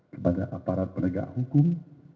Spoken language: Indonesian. kepada aparat penegak hukum